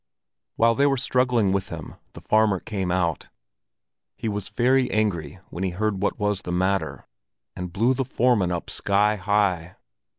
While they were struggling with him, the farmer came out. He was very angry when he heard what was the matter, and blew the foreman up sky high.